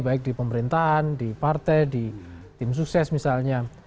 baik di pemerintahan di partai di tim sukses misalnya